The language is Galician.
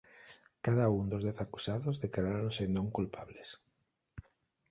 Cada un do dez acusados declaráronse non culpables.